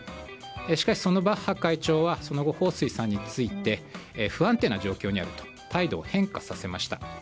しかしそんなバッハ会長はその後、ホウ・スイさんについて不安定な状況にあると態度を変化させました。